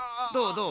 どう？